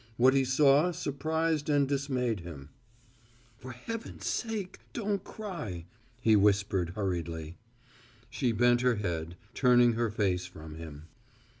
What he saw surprised and dismayed him. "For heaven's sake, don't cry!" he whispered hurriedly. She bent her head, turning her face from him.